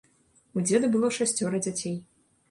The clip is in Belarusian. У дзеда было шасцёра дзяцей.